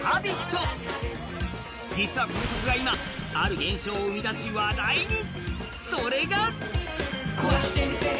実はこの曲が今、ある現象を生み出し、話題に。